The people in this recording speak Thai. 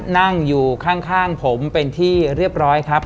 นั่งอยู่ข้างผมเป็นที่เรียบร้อยครับ